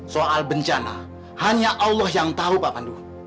soal bencana hanya allah yang tahu pak pandu